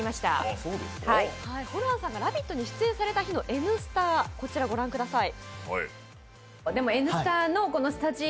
ホランさんが「ラヴィット！」に出演された日の「Ｎスタ」をご覧ください。